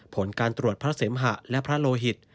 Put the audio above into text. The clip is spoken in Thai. ผลการตรวจพระเสมหะและพระโลหิต